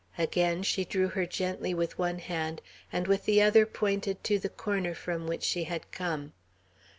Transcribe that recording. Again she drew her gently with one hand, and with the other pointed to the corner from which she had come.